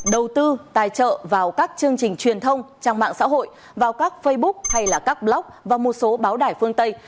đầu tư tài trợ vào các chương trình truyền thông trang mạng xã hội vào các facebook hay là các blog và một số báo đài phương tây